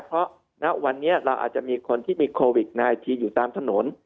เพราะณวันนี้เราอาจจะมีคนที่มีโควิด๑๙อยู่ตามถนน